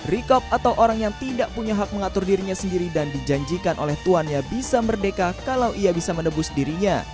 rikob atau orang yang tidak punya hak mengatur dirinya sendiri dan dijanjikan oleh tuannya bisa merdeka kalau ia bisa menebus dirinya